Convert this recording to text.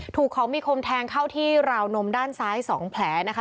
ถูกของมีคมแทงเข้าที่ราวนมด้านซ้าย๒แผลนะคะ